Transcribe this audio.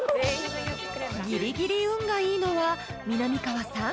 ［ギリギリ運がいいのはみなみかわさん？